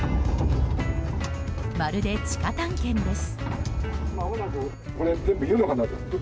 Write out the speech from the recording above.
まるで、地下探検です。